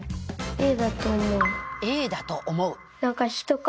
Ａだと思う？